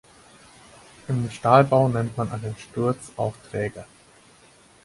Im Stahlbau nennt man einen Sturz auch Träger.